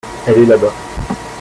elle est là-bas.